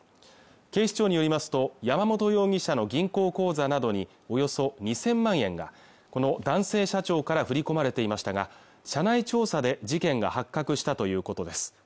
警視庁によりますと山本容疑者の銀行口座などにおよそ２０００万円がこの男性社長から振り込まれていましたが社内調査で事件が発覚したということです